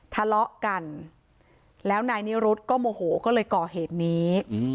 ทะเลาะกันแล้วนายนิรุธก็โมโหก็เลยก่อเหตุนี้